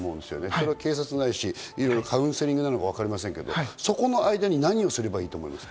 警察ないし、カウンセリングかもしれませんけど、そこの間に何をすればいいと思いますか？